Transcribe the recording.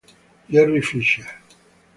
Gerry Fisher